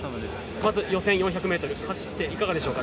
まず予選４００ｍ走っていかがでしょうか。